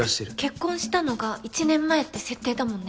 結婚したのが１年前って設定だもんね。